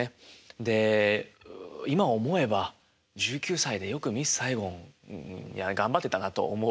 で今思えば１９歳でよく「ミスサイゴン」頑張ってたなと思うんですよ。